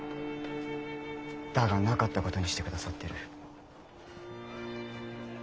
だがなかったことにしてくださっている。